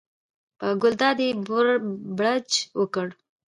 په ګلداد یې بړچ وکړ.